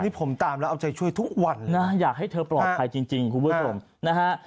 นี่ผมตามแล้วเอาใจช่วยทุกวันนะอยากให้เธอปลอดภัยจริงคุณผู้ชมนะฮะ